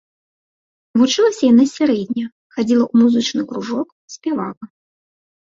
Вучылася яна сярэдне, хадзіла ў музычны кружок, спявала.